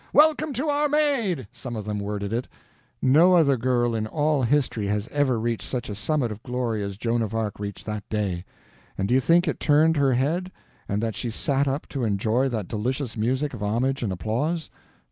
"Welcome to our Maid!" some of them worded it. No other girl in all history has ever reached such a summit of glory as Joan of Arc reached that day. And do you think it turned her head, and that she sat up to enjoy that delicious music of homage and applause?